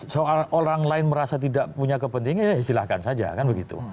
soal orang lain merasa tidak punya kepentingan ya silahkan saja kan begitu